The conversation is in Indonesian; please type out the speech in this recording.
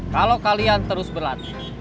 kalau kalian terus berlatih